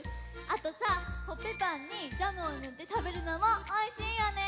あとさコッペパンにジャムをぬってたべるのもおいしいよね！